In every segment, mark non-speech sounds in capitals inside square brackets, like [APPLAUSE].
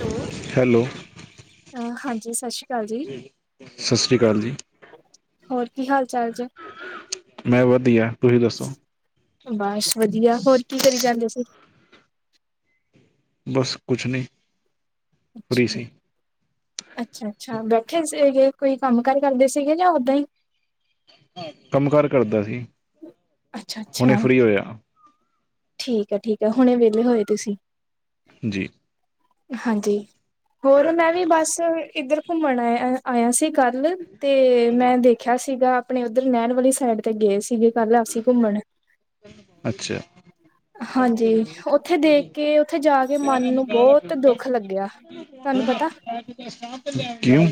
Hello hello ਹਾਂਜੀ ਸਤਿ ਸ਼੍ਰੀ ਅਕਾਲ ਜੀ ਸਤਿ ਸ਼੍ਰੀ ਅਕਾਲ ਜੀ ਹੋਰ ਕੀ ਹਾਲ ਚਾਲ ਮੈਂ ਵਧੀਆ ਤੁਸੀਂ ਦੱਸੋ ਬਸ ਵਧੀਆ ਹੋਰ ਕੀ ਕਰੀ ਚਾਹਦੇ ਸੀ ਬਸ ਕੁਛ ਨਈ ਅੱਛਾ ਅੱਛਾ- ਅੱਛਾ ਬੈਠੇ ਸੀਗੇ ਕੋਈ ਕੰਮ ਕਾਰ ਕਰਦੇ ਸੀਗੇ ਜਾਂ ਓਦਾ ਹੀ ਕੰਮ ਕਾਰ ਕਰਦਾ ਸੀ ਅੱਛਾ- ਅੱਛਾ ਹੁਣੇ ਫਰੀ ਹੋਇਆ ਠੀਕ ਆ ਠੀਕ ਹੈ ਹੁਣੇ ਵਿਹਲੇ ਹੋਏ ਤੁਸੀਂ ਜੀ ਹਾਂਜੀ ਹੋਰ ਮੈਂ ਵੀ ਬਸ ਇੱਧਰ ਘੁੰਮਣ ਆਇ ਆਇਆ ਸੀ ਕੱਲ ਤੇ ਮੈਂ ਦੇਖ ਸੀਗਾ ਆਪਣੇ ਉੱਧਰ ਨਹਿਣ ਵਾਲੀ ਸਾਈਡ ਤੇ ਗਏ ਸੀਗੇ ਕੱਲ ਅਸੀਂ ਘੁੰਮਣ ਅੱਛਾ ਹਾਂਜੀ ਉੱਥੇ ਦੇਖ ਕੇ ਉੱਥੇ ਜਾ ਕੇ ਮਨ ਨੂੰ ਬਹੁਤ ਦੁੱਖ ਲੱਗਿਆ ਤੁਹਾਨੂੰ ਪਤਾ [UNINTELLIGIBLE] ਕਯੋਂ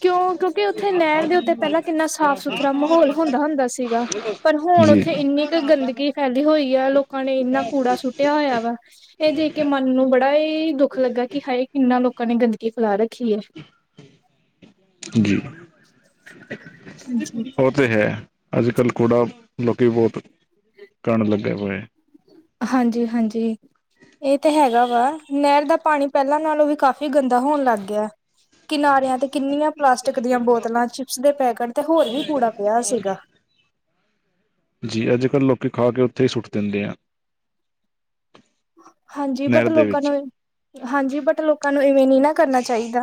ਕਿਉਂ ਕਿਉਂਕਿ ਉੱਥੇ ਨਹਿਰ ਦੇ ਉੱਤੇ ਪਹਿਲਾਂ ਕਿੰਨਾ ਸਾਫ ਸੁਥਰਾ ਮਾਹੌਲ ਹੁੰਦਾ- ਹੁੰਦਾ ਸੀਗਾ ਪਰ ਹੁਣ ਜੀ ਉੱਥੇ ਇੰਨੀ ਕੁ ਗੰਦਗੀ ਫੈਲੀ ਹੋਈ ਆ ਲੋਕਾਂ ਨੇ ਇੰਨਾ ਕੂੜਾ ਸੁੱਟਿਆ ਹੋਇਆ ਵਾ ਇਹ ਦੇਖ ਕੇ ਮਨ ਨੂੰ ਬੜਾ ਹੀ ਦੁੱਖ ਲੱਗਾ ਕਿ ਹਾਏ ਕਿੰਨਾ ਲੋਕਾਂ ਨੇ ਗੰਦਗੀ ਫੈਲਾ ਰੱਖੀ ਹੈ। ਜੀ ਹਾਂਜੀ। ਹੋ ਤੇ ਹੈ। ਅੱਜ ਕੱਲ੍ਹ ਕੂੜਾ ਲੋਕੀ ਬਹੁਤ ਕਣ ਲੱਗਿਆ ਹੋਇਆ ਹੈ ਹਾਂਜੀ- ਹਾਂਜੀ ਇਹ ਤੇ ਹੈਗਾ ਵਾ ਨਹਿਰ ਦਾ ਪਾਣੀ ਪਹਿਲਾਂ ਨਾਲੋਂ ਵੀ ਕਾਫ਼ੀ ਗੰਦਾ ਹੋਣ ਲੱਗ ਗਿਆ ਕਿਨਾਰਿਆਂ ਤੇ ਕਿੰਨੀਆਂ ਪਲਾਸਟਿਕ ਦੀਆਂ ਬੋਤਲਾਂ ਚਿਪਸ ਦੇ ਪੈਕੇਟ ਤੇ ਹੋਰ ਵੀ ਕੂੜਾ ਪਿਆ ਸੀਗਾ ਜੀ ਅੱਜ-ਕੱਲ੍ਹ ਲੋਕੀ ਖਾ ਕੇ ਉੱਥੇ ਹੀ ਸੁੱਟ ਦਿੰਦੇ ਆ। ਹਾਂਜੀ ਨਹਿਰ ਬਟ ਦੇ ਲੋਕਾਂ ਵਿੱਚ ਨੂੰ ਹਾਂਜੀ ਬਟ ਲੋਕਾਂ ਨੂੰ ਇਵੇਂ ਨਹੀਂ ਨਾ ਕਰਨਾ ਚਾਹੀਦਾ।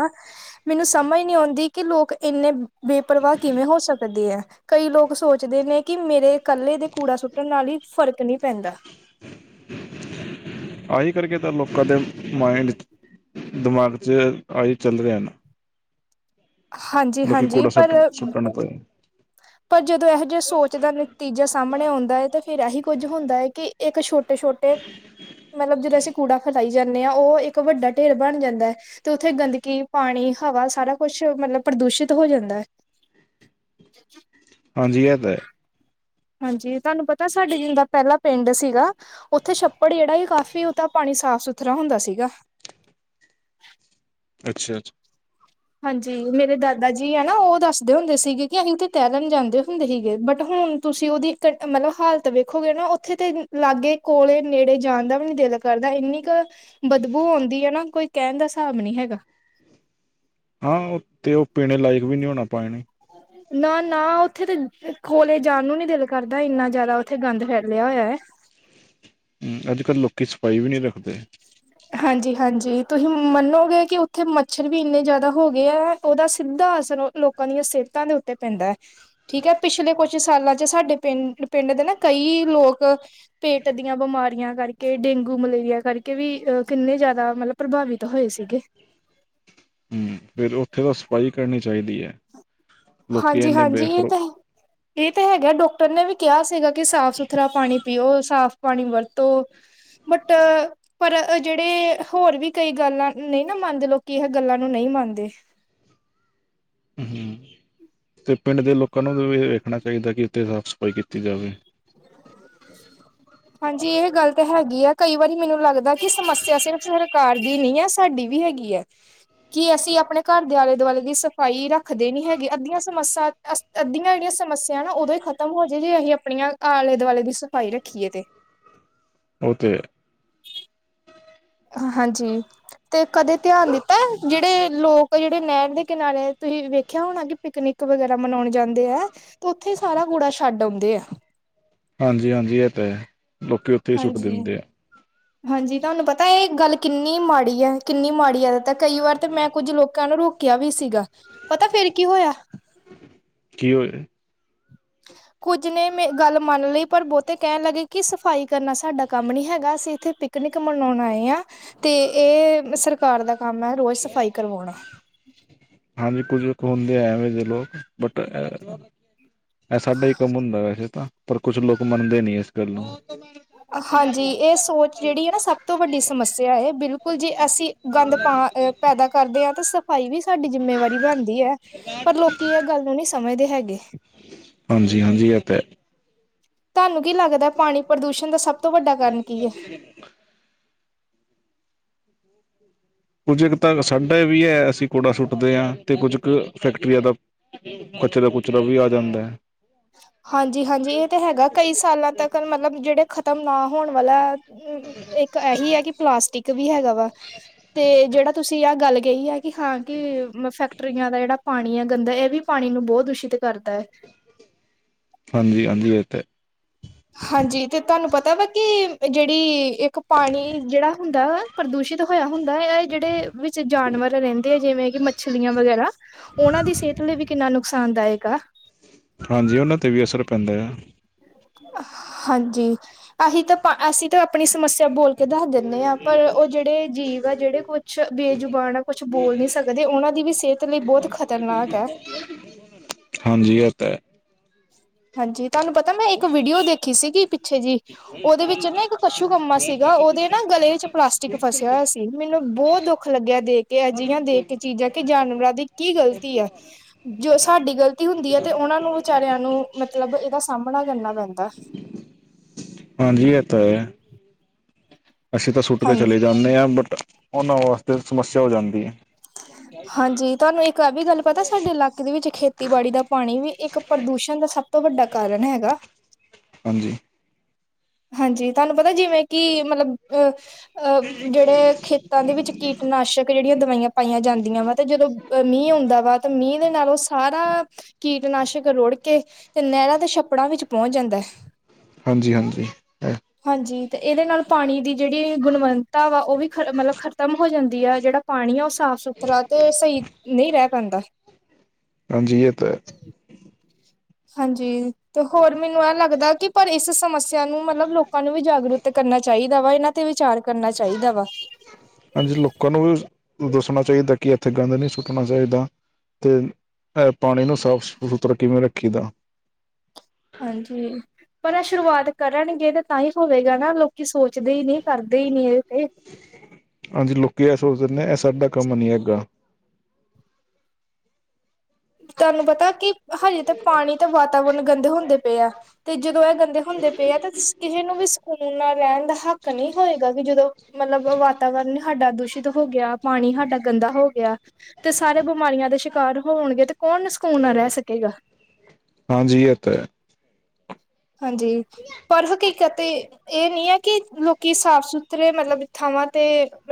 ਮੈਨੂੰ ਸਮਝ ਨਹੀਂ ਆਉਂਦੀ ਕਿ ਲੋਕ ਇੰਨੇ ਬੇਪਰਵਾਹ ਕਿਵੇਂ ਹੋ ਸਕਦੇ ਹੈ। ਕਈ ਲੋਕ ਸੋਚਦੇ ਨੇ ਕਿ ਮੇਰੇ ਕੱਲੇ ਦੇ ਕੂੜਾ ਸੁੱਟਣ ਨਾਲ ਹੀ ਫ਼ਰਕ ਨਹੀਂ ਪੈਂਦਾ। [INAUDIBLE] [UNINTELLIGIBLE] ਆਹੀ ਕਰਕੇ ਤਾਂ ਲੋਕਾਂ ਦੇ ਮਾਇਂਡ ਚ ਦਿਮਾਗ ਚ ਆਈ ਚੱਲ ਰਿਹਾ ਨਾ- ਲੋਕੀ ਹਾਂਜੀ-ਹਾਂਜੀ ਕੂੜਾ ਪਰ। ਸੁੱਟ ਸੁੱਟਣ ਪਏ ਪਰ ਜਦੋਂ ਇਹੋ ਜਿਹਾ ਸੋਚ ਦਾ ਨਤੀਜਾ ਸਾਹਮਣੇ ਆਉਂਦਾ ਹੈ ਤੇ ਫਿਰ ਇਹੀ ਕੁੱਝ ਹੁੰਦਾ ਹੈ ਕਿ ਇੱਕ ਛੋਟ ਛੋਟੇ ਮਤਲਬ ਜਿਦੋਂ ਅਸੀਂ ਕੂੜਾ ਖਿਲਾਈ ਜਾਂਦੇ ਹਾਂ ਉਹ ਇੱਕ ਵੱਡਾ ਢੇਰ ਬਣ ਜਾਂਦਾ। ਤੇ ਉੱਥੇ ਗੰਦਗੀ ਪਾਣੀ, ਹਵਾ ਸਾਰਾ ਕੁੱਛ ਮਤਲਬ ਪ੍ਰਦੂਸ਼ਿਤ ਹੋ ਜਾਂਦਾ ਐ। [UNINTELLIGIBLE] ਹਾਂਜੀ ਇਹ ਤਾਂ ਹੈ। ਹਾਂਜੀ ਤੁਹਾਨੂੰ ਪਤਾ ਸਾਡੇ ਜਿਲੇ ਦਾ ਪਹਿਲਾ ਪਿੰਡ ਸੀਗਾ ਉੱਥੇ ਛੱਪੜ ਜਿਹੜਾ ਕਾਫ਼ੀ ਉਹਦਾ ਪਾਣੀ ਸਾਫ-ਸੁਥਰਾ ਹੁੰਦਾ ਸੀਗਾ। ਅੱਛਾ-ਅ ਹਾਂਜੀ ਮੇਰੇ ਦਾਦਾ ਜੀ ਹੈ ਨਾ ਉਹ ਦੱਸਦੇ ਹੁੰਦੇ ਸੀਗੇ ਕਿ ਅਹੀਂ ਉਥੇ ਤੈਰਨ ਜਾਂਦੇ ਹੁੰਦੇ ਸੀਗੇ ਬਟ ਹੁਣ ਤੁਸੀਂ ਉਹਦੀ ਮਤਲਬ ਹਾਲਤ ਵੇਖੋਗੇ ਨਾ ਉੱਥੇ ਤੇ ਲਾਗੇ ਕੋਲੇ ਨੇੜੇ ਜਾਣ ਦਾ ਵੀ ਨੀ ਦਿਲ ਕਰਦਾ ਇੰਨੀ ਕੁ ਬਦਬੂ ਹੁੰਦੀ‌ ਏ ਨਾ ਕੋਈ ਕਹਿਣ ਦਾ ਸਾਬ ਨੀ ਹੈਗਾ ਹਾਂ ਉਹ ਤੇ ਉਹ ਪੀਣੇ ਲਾਇਕ ਵੀ ਨਹੀਂ ਹੋਣਾ ਪਾਣੀ ਨਾ- ਨਾ ਉੱਥੇ ਤਾਂ ਕੋਲੇ ਜਾਣ ਨੂੰ ਨੀ ਦਿਲ ਕਰਦਾ ਇੰਨਾ ਜਿਆਦਾ ਉੱਥੇ ਗੰਦ ਫੈਲਿਆ ਹੋਇਆ ਹੈ। ਹੂੰ ਅੱਜ-ਕੱਲ੍ਹ ਲੋਕੀ ਸਫਾਈ ਵੀ ਨਹੀਂ ਰੱਖਦੇ। ਹਾਂਜੀ- ਹਾਂਜੀ ਤੁਸੀਂ ਮੰਨੋਗੇ ਕਿ ਉੱਥੇ ਮੱਛਰ ਵੀ ਇੰਨੇ ਜ਼ਿਆਦਾ ਹੋ ਗਏ ਹੈ ਉਹਦਾ ਸਿੱਧਾ ਅਸਰ ਲੋਕਾਂ ਦੀਆਂ ਸਿਹਤਾਂ ਦੇ ਉੱਤੇ ਪੈਂਦਾ। ਠੀਕ ਹੈ ਪਿਛਲੇ ਕੁਛ ਸਾਲਾਂ ਚ ਸਾਡੇ ਪਿੰਡ ਦੇ ਨਾ ਕਈ ਲੋਕ। ਪੇਟ ਦੀਆਂ ਬਿਮਾਰੀਆਂ ਕਰਕੇ ਡੇਂਗੂ ਮਲੇਰੀਆ ਕਰਕੇ ਵੀ ਅ ਕਿੰਨੇ ਜ਼ਿਆਦਾ ਮਤਲਬ ਪ੍ਰਭਾਵਿਤ ਹੋਏ ਸੀਗੇ। ਹਮ ਫਿਰ ਉੱਥੇ ਤਾਂ ਸਫਾਈ ਕਰਨੀ ਚਾਹੀਦੀ ਹੈ। ਲੋਕੀ ਇੰਨੇ ਹਾਂਜੀ-ਹਾਂਜੀ ਇਹ ਬੇਫਰੋ ਤਾਂ ਇਹ ਤਾਂ ਹੈਗਾ ਡਾੱਕਟਰ ਨੇ ਵੀ ਕਿਹਾ ਸੀਗਾ ਕਿ ਸਾਫ਼-ਸੁਥਰਾ ਪਾਣੀ ਪੀਓ ਸਾਫ਼ ਪਾਣੀ ਵਰਤੋ ਬਟ ਪਰ ਜਿਹੜੇ ਹੋਰ ਵੀ ਕਈ ਗੱਲਾਂ ਨਹੀਂ ਨਾ ਮੰਨਦੇ ਲੋਕੀ ਇਹ ਗੱਲਾਂ ਨੂੰ ਨਹੀਂ ਮੰਨਦੇ। ਤੇ ਪਿੰਡ ਦੇ ਲੋਕਾਂ ਨੂੰ ਵੀ ਵੇਖਣਾ ਚਾਹੀਦਾ ਕਿ ਇੱਥੇ ਸਾਫ਼- ਸਫ਼ਾਈ ਕੀਤੀ ਜਾਵੇ। [UNINTELLIGIBLE] ਹਾਂਜੀ ਇਹ ਗੱਲ ਤਾਂ ਹੈਗੀ ਹੈ, ਕਈ ਵਾਰੀ ਮੈਨੂੰ ਲੱਗਦਾ ਕਿ ਸਮੱਸਿਆ ਸਿਰਫ਼ ਸਰਕਾਰ ਦੀ ਨਹੀਂ ਹੈ ਸਾਡੀ ਵੀ ਹੈਗੀ। ਈ ਹੈ। ਕੀ ਅਸੀਂ ਆਪਣੇ ਘਰ ਦੇ ਆਲੇ-ਦੁਆਲੇ ਦੀ ਸਫ਼ਾਈ ਰੱਖਦੇ ਨੀ ਹੈਗੇ ਅੱਧੀਆਂ ਸਮੱਸਿਆ। ਅੱਧੀਆਂ ਜਿਹੜੀਆਂ ਸਮੱਸਿਆ ਨਾ ਉਦੋਂ ਹੀ ਖ਼ਤਮ ਹੋ ਜਾਏ ਜੇ ਅਸੀਂ ਆਪਣੀਆਂ ਆਲੇ-ਦੁਆਲੇ ਦੀ ਸਫ਼ਾਈ ਰੱਖੀਏ ਤੇ। ਉਹ ਤੇ ਹੈ। ਹਾਂਜੀ। ਤੇ ਕਦੇ ਧਿਆਨ ਦਿੱਤਾ ਜਿਹੜੇ ਲੋਕ ਜਿਹੜੇ ਨਹਿਰ ਦੇ ਕਿਨਾਰੇ ਤੁਸੀਂ ਵੇਖਿਆ ਹੋਣਾ ਕਿ ਪਿਕਨਿਕ ਵਗੈਰਾ ਮਨਾਉਣ ਜਾਂਦੇ ਹੈ ਤੇ ਉੱਥੇ ਸਾਰਾ ਗੂੜਾ ਛੱਡ ਆਉਂਦੇ ਆ। ਹਾਂਜੀ-ਹਾਂਜੀ ਇਹ ਤਾਂ ਹੈ ਲੋਕੀ ਉੱਥੇ ਹੀ ਸੁੱਟ ਹਾਂਜੀ ਦਿੰਦੇ ਆ। ਹਾਂਜੀ ਤੁਹਾਨੂੰ ਪਤਾ ਇਹ ਗੱਲ ਕਿੰਨੀ ਮਾੜੀ ਹੈ ਕਿੰਨੀ ਮਾੜੀ ਹੈ ਇੱਦ ਤੱਕ। ਕਈ ਵਾਰ ਤੇ ਮੈਂ ਕੁੱਝ ਲੋਕਾਂ ਨੂੰ ਰੋਕਿਆ ਵੀ ਸੀਗਾ ਪਤਾ ਫੇਰ ਕੀ ਹੋਇਆ। ਕੀ ਹੋਇਆ? [INAUDIBLE] ਕੁੱਝ ਨੇ ਮ ਗੱਲ ਮੰਨ ਲਈ ਪਰ ਬਹੁਤੇ ਕਹਿਣ ਲੱਗੇ ਕਿ ਸਫ਼ਾਈ ਕਰਨਾ ਸਾਡਾ ਕੰਮ ਨੀ ਹੈਗਾ ਅਸੀਂ ਇੱਥੇ ਪਿਕ ਨਿਕ ਮਨਾਉਣ ਆਏ ਆ ਤੇ ਇਹ ਸਰਕਾਰ ਦਾ ਕੰਮ ਹੈ ਰੋਜ਼ ਸਫ਼ਾਈ ਕਰਵਾਉਣਾ। ਹਾਂਜੀ ਕੁੱਝ ਹੁੰਦੇ ਐਵੇਂ ਦੇ ਲੋਕ ਬਟ ਇਹ ਇਹ ਸਾਡਾ ਹੀ ਕੰਮ ਹੁੰਦਾ ਵੈਸੇ ਤਾਂ ਪਰ ਕੁਛ ਲੋਕ ਮੰਨਦੇ ਨੀ ਇਸ ਗੱਲ ਨੂੰ। ਹਾਂਜੀ ਇਹ ਸੋਚ ਜਿਹੜੀ ਹੈ ਨਾ ਸਭ ਤੋਂ ਵੱਡੀ ਸਮੱਸਿਆ ਇਹ ਬਿਲਕੁਲ ਜੀ ਅਸੀਂ ਗੰਦ ਪਾ। ਪੈਦਾ ਕਰਦੇ ਹਾਂ ਤਾਂ ਸਫ਼ਾਈ ਵੀ ਸਾਡੀ ਜਿੰਮੇਵਾਰੀ ਬਣਦੀ ਹੈ ਪਰ ਲੋਕ ਕੀ ਇਹ ਗੱਲ ਨੂੰ ਨੀ ਸਮਝਦੇ ਹੈਗੇ। ਹਾਂਜੀ ਹਾਂਜੀ ਏ ਤਾਂ। ਤੁਹਾਨੂੰ ਕੀ ਲੱਗਦਾ ਪਾਣੀ ਪ੍ਰਦੂਸ਼ਣ ਦਾ ਸਭ ਤੋਂ ਵੱਡਾ ਕਾਰਨ ਕੀ ਹੈ। ਕੁੱਝ ਕੁ ਤਾਂ ਸਾਡਾ ਵੀ ਹੈ ਅਸੀ ਕੂੜਾ ਸੁੱਟਦੇ ਹਾਂ ਤੇ ਕੁੱਝ ਕੁ ਫੈਕਟਰੀਆਂ ਦਾ। ਕਚਰਾ ਕੁਚਰਾ ਵੀ ਆ ਜਾਂਦਾ ਹੈ। ਹਾਂਜੀ ਹਾਂਜੀ ਇਹ ਤਾਂ ਹੈਗਾ ਕਈ ਸਾਲਾਂ ਤੱਕ ਮਤਲਬ ਜਿਹੜੇ ਖਤਮ ਨਾ ਹੋਣ ਵਾਲਾ। ਅ ਇੱਕ ਇਹੀ ਹੈ ਕਿ ਪਲਾਸਟਿਕ ਵੀ ਹੈਗਾ ਵਾ ਤੇ ਜਿਹੜਾ ਤੁਸੀ ਆਹ ਗੱਲ ਕਹੀ ਹੈ। ਕਿ ਹਾਂ ਕਿ ਫੈਕਟਰੀਆਂ ਦਾ ਜਿਹੜਾ ਪਾਣੀ ਹੈ ਗੰਦਾ ਇਹ ਵੀ ਪਾਣੀ ਨੂੰ ਬਹੁਤ ਦੂਸ਼ਿਤ ਕਰਦਾ ਹੈ। ਹਾਂਜੀ ਹਾਂਜੀ ਉ ਤੇ ਹਾਂਜੀ ਤੇ ਤੁਹਾਨੂੰ ਪਤਾ ਵਾ ਕਿ ਜਿਹੜੀ ਇੱਕ ਪਾਣੀ ਜਿਹੜਾ ਹੁੰਦਾ ਵਾ। ਪ੍ਰਦੂਸ਼ਿਤ ਹੋਇਆ ਹੁੰਦਾ ਹੈ ਇਹ ਜਿਹੜੇ ਵਿੱਚ ਜਾਨਵਰ ਰਹਿੰਦੇ ਆ ਜਿਵੇਂ ਕਿ ਮੱਛਲੀਆਂ ਵਗੈਰਾ। ਉਹਨਾਂ ਦੀ ਸਿਹਤ ਲਈ ਵੀ ਕਿੰਨਾ ਨੁਕਸਾਨਦਾਇਕ ਆ। ਹਾਂਜੀ ਉਹਨਾਂ ਤੇ ਵੀ ਅਸਰ ਪੈਂਦਾ ਆ। ਹਾਂਜੀ ਅਸੀਂ ਤਾਂ ਅਸੀਂ। ਤੇ ਆਪਣੀ ਸਮੱਸਿਆ ਬੋਲ ਕੇ ਦੱਸ ਦਿੰਦੇ ਹਾਂ ਪਰ ਉਹ ਜਿਹੜੇ ਅ ਜੀਵ ਆ ਜਿਹੜੇ ਕੁਛ ਬੇਜੁਬਾਨ ਆ। ਕੁਛ ਬੋਲ ਨੀ ਸਕਦੇ ਉਹਨਾਂ ਦੀ ਵੀ ਸਿਹਤ ਲਈ ਬਹੁਤ ਖ਼ਤਰਨਾਕ ਹੈ। ਹਾਂਜੀ ਇਹ ਤਾਂ ਐ। ਹਾਂਜੀ ਤੁਹਾਨੂੰ ਪਤਾ ਮੈਂ ਇੱਕ ਵੀਡੀਓ ਦੇਖੀ ਸੀਗੀ ਪਿੱਛੇ ਜੀ। ਉਹਦੇ ਵਿੱਚ ਨਾ ਇੱਕ ਕਸ਼ੂ ਕੰਮਾ ਸੀਗਾ ਉਹਦੇ ਨਾ ਗਲੇ ਵਿੱਚ ਪਲਾਸਟਿਕ ਫਸਿਆ ਹੋਇਆ ਸੀ ਮੈਨੂੰ ਬਹੁਤ ਦੁੱਖ। ਦੁੱਖ ਲੱਗਿਆ ਦੇਖ ਕੇ ਅਜਿਹੀਆਂ ਦੇਖ ਕੇ ਚੀਜ਼ਾਂ ਕਿ ਜਾਨਵਰਾਂ ਦੀ ਕੀ ਗ਼ਲਤੀ ਆ। ਜੋ ਸਾਡੀ ਗ਼ਲਤੀ ਹੁੰਦੀ ਹੈ ਤੇ ਉਹਨਾਂ ਨੂੰ ਵਿਚਾਰਿਆਂ ਮਤਲਬ ਇਹਦਾ ਸਾਹਮਣਾ ਕਰਨਾ ਪੈਂਦਾ। ਹਾਂਜੀ ਇਹ ਤਾਂ ਹੈ। ਅਸੀਂ ਤਾਂ ਸੁੱਟ ਕੇ ਹਾਂਜੀ ਚਲੇ ਜਾਂਦੇ ਆ ਬਟ ਉਹਨਾਂ ਵਾਸਤੇ ਸਮੱਸਿਆ ਹੋ ਜਾਂਦੀ ਹੈ। ਹਾਂਜੀ ਤੁਹਾਨੂੰ ਇੱਕ ਇਹ ਵੀ ਗੱਲ ਪਤਾ ਸਾਡੇ ਇਲਾਕੇ ਦੇ ਵਿੱਚ ਖੇਤੀਬਾੜੀ ਦਾ ਪਾਣੀ ਵੀ ਇੱਕ। ਪ੍ਰਦੂਸ਼ਣ ਦਾ ਸਭ ਤੋਂ ਵੱਡਾ ਕਾਰਨ ਹੈਗਾ। ਹਾਂਜੀ। ਹਾਂਜੀ। ਤੁਹਾਨੂੰ ਪਤਾ ਜਿਵੇਂ ਕਿ ਮਤਲਬ ਅਹ ਜਿਹੜੇ ਖੇਤਾਂ ਦੇ ਵਿੱਚ ਕੀਟਨਾਸ਼ਕ। ਜਿਹੜੀਆਂ ਦਵਾਈਆਂ ਪਾਈਆਂ ਜਾਂਦੀਆਂ ਵਾ ਤੇ ਜਦੋਂ ਮੀਂਹ ਹੁੰਦਾ ਵਾ ਤੇ ਮੀਂਹ ਦੇ ਨਾਲ ਉਹ ਸਾਰਾ। ਕੀਟਨਾਸ਼ਕ ਰੁੜ ਕੇ ਤੇ ਨਹਿਰਾਂ ਤੇ ਛੱਪੜਾਂ ਵਿੱਚ ਪਹੁੰਚ ਜਾਂਦਾ ਹੈ। ਹਾਂਜੀ ਹਾਂਜੀ। ਇਹ- ਹਾਂਜੀ ਤੇ ਇਹਦੇ ਨਾਲ ਪਾਣੀ ਦੀ ਜਿਹੜੀ ਗੁਣਵੱਤਾ ਵਾ ਉਹ ਵੀ ਖ਼ਤਮ ਮਤਲਬ ਖ਼ਤਮ ਹੋ ਜਾਂਦੀ ਆ ਜਿਹੜਾ ਪਾਣੀ ਆ ਉਸ। ਸਾਫ਼ ਸੁਥਰਾ ਤੇ ਸਹੀ ਨਹੀਂ ਰਹਿ ਪੈਂਦਾ। ਹਾਂਜੀ ਏ ਤਾਂ ਹੈ। ਹਾਂਜੀ ਤੇ ਹੋਰ ਮੈਨੂੰ ਇਹ ਲੱਗਦਾ ਕਿ ਪਰ ਇਸ ਸਮੱਸਿਆ ਨੂੰ ਮਤਲਬ ਲੋਕਾਂ ਨੂੰ ਵੀ ਜਾਗਰੂਤ ਕਰਨਾ ਚਾਹੀਦਾ ਵਾ ਇਹਨਾਂ ਤੇ ਵਿਚਾਰ ਕਰਨਾ ਚਾਹੀਦਾ ਵਾ। ਹਾਂਜੀ ਲੋਕਾਂ ਨੂੰ ਵੀ ਦੱਸਣਾ ਚਾਹੀਦਾ ਕਿ ਇੱਥੇ ਗੰਦ ਨਹੀਂ ਸੁੱਟਣਾ ਚਾਹੀਦਾ। ਅਤੇ ਪਾਣੀ ਨੂੰ ਸਾਫ ਸੁਥਰਾ ਕਿਵੇਂ ਰੱਖੀ ਦਾ। ਹਾਂਜੀ। ਪਰ ਐ ਸ਼ੁਰੂਆਤ ਕਰਨਗੇ ਤੇ ਤਾਂ ਹੀ ਹੋਵੇਗਾ ਨਾ ਲੋਕੀ ਸੋਚਦੇ ਹੀ ਨਹੀਂ ਕਰਦੇ ਹੀ ਨੀ ਇਹਦੇ ਤੇ। ਹਾਂਜੀ ਲੋਕੀ ਆ ਸੋਚ ਦੇਦੇ ਇਹ ਸਾਡਾ ਕੰਮ ਨੀ ਹੈਗਾ। ਤੁਹਾਨੂੰ ਪਤਾ ਕਿ ਹਜੇ ਤਾਂ ਪਾਣੀ ਤੇ ਵਾਤਾਵਰਨ ਗੰਦੇ ਹੁੰਦੇ ਪਏ ਆ। ਤੇ ਜਦੋਂ ਇਹ ਗੰਦੇ ਹੁੰਦੇ ਪਏ ਆ ਤੇ ਕਿਸੇ ਨੂੰ ਵੀ ਸਕੂਨ ਨਾਲ ਰਹਿਣ ਦਾ ਹੱਕ ਨਹੀਂ ਹੋਏਗਾ ਕਿ ਜਦੋਂ। ਮਤਲਬ ਵਾਤਾਵਰਨ ਸਾਡਾ ਦੂਸ਼ਿਤ ਹੋ ਗਿਆ ਪਾਣੀ ਸਾਡਾ ਗੰਦਾ ਹੋ ਗਿਆ। ਤੇ ਸਾਰੇ ਬਿਮਾਰੀਆਂ ਦਾ ਸ਼ਿਕਾਰ ਹੋਣਗੇ ਤੇ ਕੌਣ ਸਕੂਨ ਨਾ ਰਹਿ ਸਕੇਗਾ। ਹਾਂਜੀ ਇਹ ਤੇ ਹੈ। ਹਾਂਜੀ ਪਰ ਕੀ ਕਤੇ ਇਹ ਨੀ ਹੈ ਕਿ ਲੋਕੀ ਸਾਫ਼ ਸੁੱਥਰੇ ਮਤਲਬ ਥਾਵਾਂ ਤੇ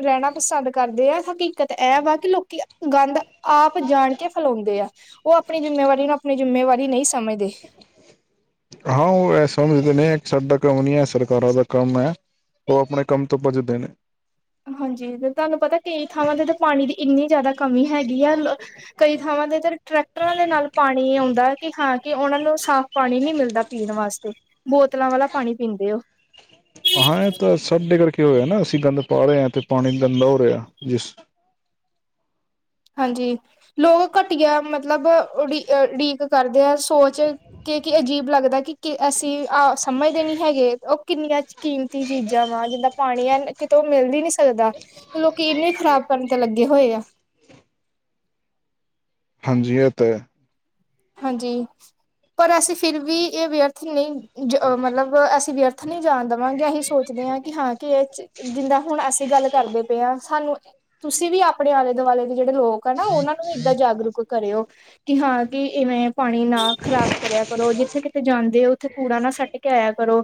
ਰਹਿਣਾ ਪਸੰਦ ਕਰਦੇ ਆ ਲੋਕੀ ਦਿੱਕਤ ਇਹ ਵਾ ਕਿ ਲੋਕੀ ਗੰਦ ਆਪ ਜਾਣ ਕੇ ਫੈਲਾਉਂਦੇ ਆ। ਉਹ ਆਪਣੀ ਜਿੰਮੇਵਾਰੀ ਨੂੰ ਆਪਣੀ ਜਿੰਮੇਵਾਰੀ ਨਹੀਂ ਸਮਝਦੇ। ਹਾਂ ਉਹ ਸਮਝਦੇ ਨੇ ਇੱਕ ਸਾਡਾ ਕੰਮ ਨਹੀ ਹੈ ਸਰਕਾਰਾਂ ਦਾ ਕੰਮ ਹੈ ਉਹ ਆਪਣੇ ਕੰਮ ਤੋਂ ਭੱਜਦੇ ਨੇ। ਹਾਂਜੀ ਤੁਹਾਨੂੰ ਪਤਾ ਕਈ ਥਾਵਾਂ ਤੇ ਤਾਂ ਪਾਣੀ ਦੀ ਇੰਨੀ ਜ਼ਿਆਦਾ ਕਮੀ ਹੈਗੀ ਆ ਕਈ ਥਾਵਾਂ ਤੇ ਟਰੈਕਟਰਾਂ ਦੇ ਨਾਲ ਪਾਣੀ ਆਉਂਦਾ ਕਿ ਹਾਂ ਕਿ ਉਹਨਾਂ ਨੂੰ ਸਾਫ਼ ਪਾਣੀ ਨੀ ਮਿਲਦਾ ਪੀਣ ਵਾਸਤੇ ਬੋਤਲਾਂ ਵਾਲਾ ਪਾਣੀ ਪੀਂਦੇ ਹੋ। ਹਾਂ ਇਹ ਤਾਂ ਸਭ ਡਿੱਗਰ ਕੇ ਹੋਇਆ ਨਾ ਅਸੀਂ ਗੰਦ ਪਾ ਰਹੇ ਹਾਂ ਤੇ ਪਾਣੀ ਗੰਦਾ ਹੋ ਰਿਹਾ ਜਿਸ ਹਾਂਜੀ ਲੋਕ ਘਟੀਆ ਮਤਲਬ ਉਡੀਕ ਉਡੀਕ ਕਰਦੇ ਆ ਸੋਚ ਕਿ ਕੀ ਅਜੀਬ ਲੱਗਦਾ ਕਿ ਅਸੀਂ ਆਹ ਸਮਝਦੇ ਨਹੀਂ ਹੈਗੇ ਉਹ ਕਿੰਨੀਆਂ ਕੀਮਤੀ ਚੀਜ਼ਾਂ ਵਾ ਜਿੰਦਾਂ ਪਾਣੀ ਆ ਕਿਤੇ ਉਹ ਮਿਲ ਵੀ ਨਹੀਂ ਸਕਦਾ। ਲੋਕੀ ਇਹਨੂੰ ਹੀ ਖ਼ਰਾਬ ਕਰਨ ਤੇ ਲੱਗੇ ਹੋਏ ਆ। ਹਾਂਜੀ ਤਾਂ ਹਾਂਜੀ ਪਰ ਅਸੀਂ ਫਿਰ ਵੀ ਇਹ ਵਿਅਰਥ ਨਹੀਂ ਮਤਲਬ ਅਸੀਂ ਵਿਅਰਥ ਨਹੀਂ ਜਾਣ ਦੇਵਾਂਗੇ ਅਸੀਂ ਸੋਚਦੇ ਹਾਂ ਕਿ ਹਾਂ ਕਿ ਇਹ ਜਿੰਦਾਂ ਹੁਣ ਅਸੀਂ ਗੱਲ ਕਰਦੇ ਪਏ ਹਾਂ ਸਾਨੂੰ ਤੁਸੀਂ ਵੀ ਆਪਣੇ ਆਲੇ ਦੁਆਲੇ ਦੇ ਜਿਹੜੇ ਲੋਕ ਆ ਨਾ ਉਹਨਾਂ ਨੂੰ ਵੀ ਇਏਦਾਂ ਜਾਗਰੂਕ ਕਰਿਓ ਕਿ ਹਾਂ ਕਿ ਇਵੇਂ ਪਾਣੀ ਨਾ ਖ਼ਰਾਬ ਕਰਿਆ ਕਰੋ ਜਿੱਥੇ ਕਿਤੇ ਜਾਂਦੇ ਹੋ ਉੱਥੇ ਕੂੜਾ ਨਾ ਸੱਟ ਕੇ ਆਇਆ ਕਰੋ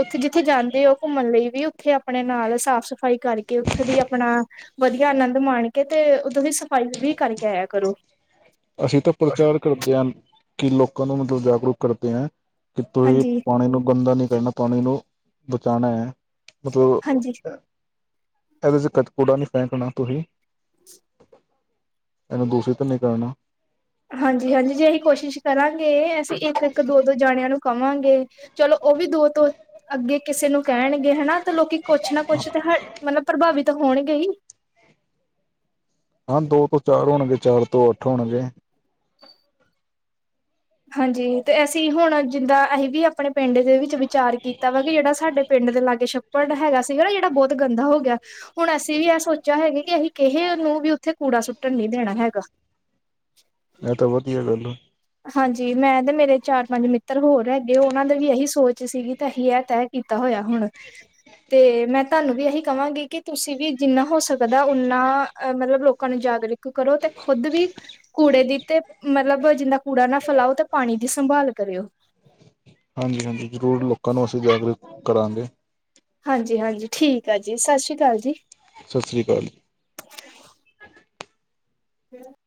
ਉੱਥੇ ਜਿੱਥੇ ਜਾਂਦੇ ਹੋ ਘੁੰਮਣ ਲਈ ਵੀ ਉੱਥੇ ਆਪਣੇ ਨਾਲ ਸਾਫ਼ ਸਫ਼ਾਈ ਕਰਕੇ ਉੱਥੇ ਦੀ ਆਪਣਾ ਵਧੀਆ ਆਨੰਦ ਮਾਣ ਕੇ ਤੇ ਉੱਦੋਂ ਦੀ ਸਫ਼ਾਈ ਵੀ ਕਰਕੇ ਆਇਆ ਕਰੋ ਅਸੀਂ ਤਾਂ ਪ੍ਰਚਾਰ ਕਰਦੇ ਹਾਂ ਕਿ ਲੋਕਾਂ ਨੂੰ ਮਤਲਬ ਜਾਗਰੂਕ ਕਰਦੇ ਹਾਂ ਕਿ ਤੁਸੀਂ ਹਾਂਜੀ ਪਾਣੀ ਨੂੰ ਗੰਦਾ ਨਹੀਂ ਕਰਨਾ ਪਾਣੀ ਨੂੰ ਬਚਾਉਣਾ ਹੈ ਮਤਲਬ ਹਾਂਜੀ ਇਹਦੇ ਚ ਕ ਕੂੜਾ ਨਹੀਂੀ ਫੇਕਣਾ ਤੁਸੀਂ ਇਹਨੂੰ ਦੂਸਰੀ ਤੇ ਨ ਕਰਨਾ ਹਾਂਜੀ ਹਾਂਜੀ ਜੇ ਅਸੀਂ ਕੋਸ਼ਿਸ਼ ਕਰਾਂਗੇ ਅਸੀਂ ਇੱਕ ਇੱਕ ਦੋ ਦੋ ਜਾਣਿਆਂ ਨੂੰ ਕਮ ਵਾਂਗੇ ਚਲੋ ਉਹ ਵੀ ਦੋ ਤੋਂੋ ਅੱਗੇ ਕਿਸੇ ਨੂੰ ਕਹਿਣਗੇ ਹਨਾ ਤਾਂ ਲੋਕੀ ਕੁਛ ਨਾ ਕੁਛ ਤੇ ਮਤਲਬ ਪ੍ਰਭਾਵਿਤ ਹੋਣਗੇ ਹੀ ਹਾਂ ਦੋ ਤੋਂ ਚਾਰ ਹੋਣਗੇ ਚਾਰ ਤੋਂ ਅੱਠ ਹੋਣਗੇ ਹਾਂਜੀ ਤੇ ਅਸੀਂ ਹੁਣ ਜਿੱਦਾਂ ਅਸੀਂ ਵੀ ਆਪਣੇ ਪਿੰਡ ਦੇ ਵਿੱਚ ਵਿਚਾਰ ਕੀਤਾ ਵਾ ਕਿ ਜਿਹੜਾ ਸਾਡੇ ਪਿੰਡ ਦੇ ਲਾਗੇ ਛੱਪੜ ਹੈਗਾ ਸੀਗਾ ਨਾ ਜਿਹੜਾ ਬਹੁਤ ਗੰਦਾ ਹੋ ਗਿਆ ਹੁਣ ਅਸੀਂ ਵੀ ਇਹ ਸੋਚਿਆ ਹੈਗਾ ਕਿ ਅਸੀਂ ਕਿਸੇ ਨੂੰ ਵੀ ਉੱਥੇ ਕੂੜਾ ਸੁੱਟਣ ਨੀ ਦੇਣਾ ਹੈਗਾ ਇਹ ਤਾਂ ਵਧੀਆ ਗੱਲ ਹੋ ਹਾਂਜੀ ਮੈਂ ਤੇ ਮੇਰੇ ਚਾਰ ਪੰਜ ਮਿੱਤਰ ਹੋਰ ਹੈਗੇ ਉਹਨਾਂ ਦੀ ਵੀ ਇਹੀ ਸੋਚ ਸੀਗੀ ਤਾਂ ਅਸੀਂ ਇਹ ਤਾਂ ਹੈ ਕੀਤਾ ਹੋਇਆ ਹੁਣ ਤੇ ਮੈਂ ਤੁਹਾਨੂੰ ਵੀ ਇਹੀ ਕਹਾਂਗੀ ਕਿ ਤੁਸੀਂ ਵੀ ਜਿੰਨਾ ਹੋ ਸਕ ਵਧਾ ਨਾ ਮਤਲਬ ਲੋਕਾਂ ਨੂੰ ਜਾਗਰੂਕ ਕਰੋ ਤੇ ਖੁਦ ਵੀ ਕੂੜੇ ਦੀ ਤੇ ਮਤਲਬ ਜਿੰਨਾ ਕੂੜਾ ਨਾ ਫੈਲਾਓ ਤੇ ਪਾਣੀ ਦੀ ਸੰਭਾਲ ਕਰਿਓ ਹਾਂਜੀ ਹਾਂਜੀ ਜ਼ਰੂਰ ਲੋਕਾਂ ਨੂੰ ਅਸੀਂ ਜਾਗਰੂਕ ਕਰਾਂਗੇ ਹਾਂਜੀ ਹਾਂਜੀ ਠੀਕ ਆ ਜੀ ਸਤਿ ਸ਼੍ਰੀ ਅਕਾਲ ਜੀ ਸਤਿ ਸ਼੍ਰੀ ਅਕਾਲ ਜੀ [INAUDIBLE]